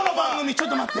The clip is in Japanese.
ちょっと待って！